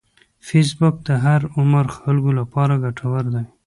فېسبوک د هر عمر خلکو لپاره ګټور دی